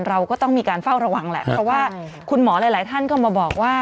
เราก็ต้องมีการเฝ้าระวังแหละเพราะว่าคุณหมอหลายท่านก็มาบอกว่า